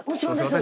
私